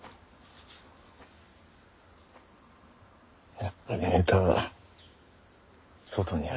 やっぱりネタは外にあるねッ！